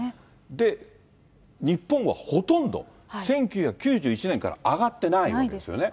で、日本はほとんど１９９１年から上がってないんですよね。